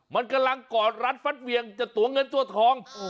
มันกำลังกอดรัดฟัดเวียงจากตัวเงินตัวทอง